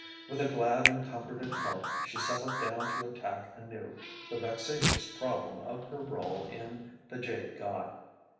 With a glad and comforted heart she settled down to attack anew the vexatious problem of her rôle in "The Jade God."